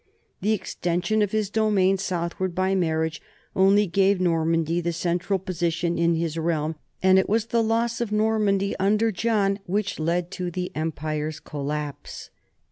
The extension of his do mains southward by marriage only gave Normandy the central position in his realm, and it was the loss of Normandy under John which led to the empire's collapse.